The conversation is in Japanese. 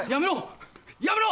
やめろ！